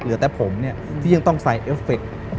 เหลือแต่ผมเนี่ยที่ยังต้องใส่เอฟเฟค